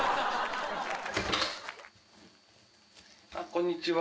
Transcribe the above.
こんにちは。